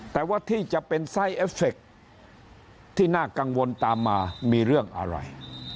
แต่ว่าที่จะเป็นไส้เอฟเฟคที่น่ากังวลตามมามีเรื่องอะไร